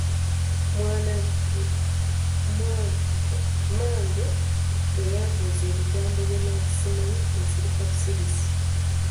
Mmange bwe yambuuza ebigambo bye nnali simanyi nasirika busirisi.